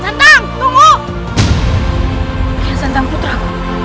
jalan cepat jangan menarik perhatian